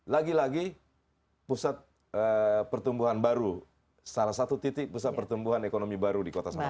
lagi lagi pusat pertumbuhan baru salah satu titik pusat pertumbuhan ekonomi baru di kota sawah